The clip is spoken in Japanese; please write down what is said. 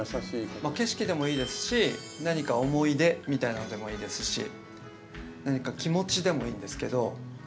景色でもいいですし何か思い出みたいなのでもいいですし何か気持ちでもいいんですけど。